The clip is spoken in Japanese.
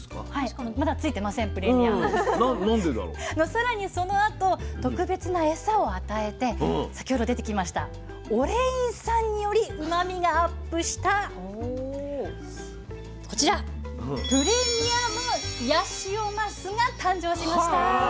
さらにそのあと特別なエサを与えて先ほど出てきましたオレイン酸によりうまみがアップしたこちらプレミアムヤシオマスが誕生しました。